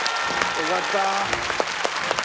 よかった。